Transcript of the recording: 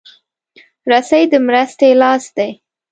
رسۍ د مرستې لاس دی.